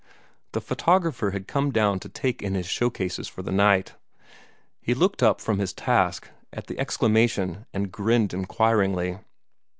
The photographer had come down to take in his showcases for the night. He looked up from his task at the exclamation, and grinned inquiringly.